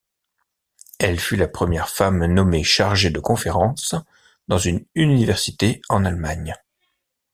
Elle fut la première femme nommée Chargée de conférence dans une université en Allemagne.